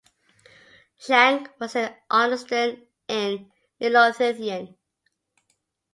Schank was in Arniston in Midlothian.